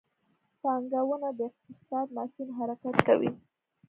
پانګونه د اقتصاد ماشین حرکت کوي.